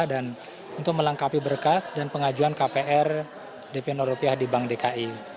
dan untuk melengkapi berkas dan pengajuan kpr dpr di bank dki